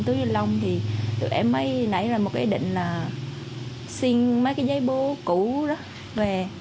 dùng túi nilon thì tụi em ấy nãy là một cái định là xin mấy cái giấy bâu cũ đó về